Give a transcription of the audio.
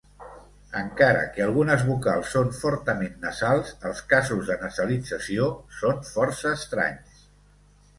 Encara que algunes vocals són fortament nasals, els casos de nasalització són força estranys.